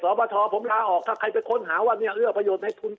บททผมลาออกถ้าใครไปค้นหาว่าเนี่ยเอื้อประโยชน์ในทุน